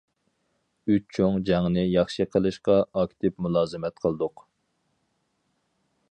ئۈچ چوڭ جەڭنى ياخشى قىلىشقا ئاكتىپ مۇلازىمەت قىلدۇق.